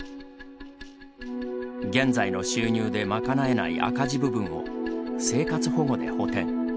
現在の収入で賄えない赤字部分を生活保護で補てん。